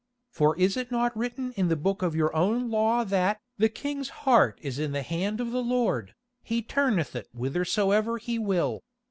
For is it not written in the book of your own Law that 'the King's heart is in the hand of the Lord, he turneth it whithersoever he will.